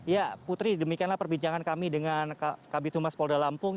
ya putri demikianlah perbincangan kami dengan kabitumas polda lampung